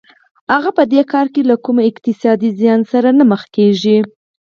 هغه په دې کار کې له کوم اقتصادي زیان سره نه مخ کېږي